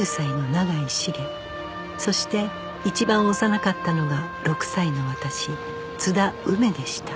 そして一番幼かったのが６歳の私津田梅でした